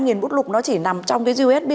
nghìn bút lục nó chỉ nằm trong cái usb